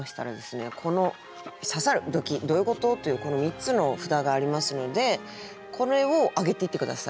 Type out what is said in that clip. この「刺さる」「ドキッ」「どういうこと？」というこの３つの札がありますのでこれを挙げていって下さい。